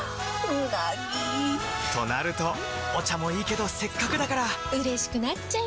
うなぎ！となるとお茶もいいけどせっかくだからうれしくなっちゃいますか！